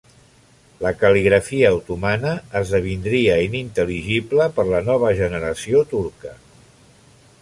La cal·ligrafia otomana esdevindria inintel·ligible per la nova generació turca.